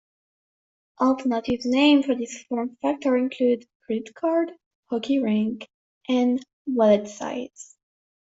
Alternative names for this form factor include "credit card," "hockey rink," and "wallet-size".